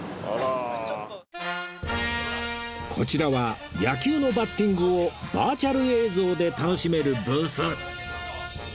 こちらは野球のバッティングをバーチャル映像で楽しめるブース